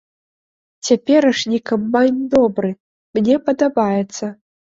Цяперашні камбайн добры, мне падабаецца.